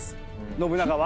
信長は？